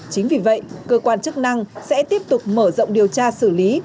chính vì vậy cơ quan chức năng sẽ tiếp tục mở rộng điều tra xử lý